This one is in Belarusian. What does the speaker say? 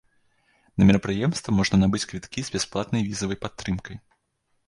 На мерапрыемства можна набыць квіткі з бясплатнай візавай падтрымкай.